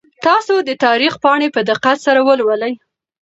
تاسو د تاریخ پاڼې په دقت سره ولولئ.